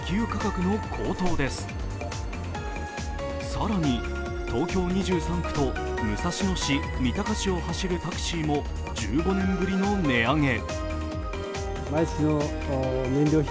更に、東京２３区と武蔵野市、三鷹市を走るタクシーも１５年ぶりの値上げ。